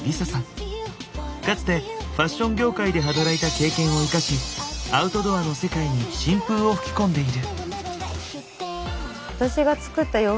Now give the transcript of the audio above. かつてファッション業界で働いた経験を生かしアウトドアの世界に新風を吹き込んでいる。